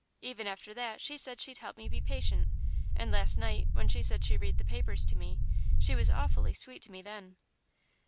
Even after that, she said she'd help me be patient, and last night, when she said she'd read the papers to me she was awfully sweet to me then.